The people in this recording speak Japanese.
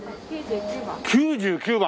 ９９番！